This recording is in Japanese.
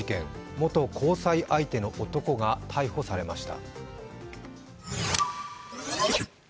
元交際相手の男が逮捕されました。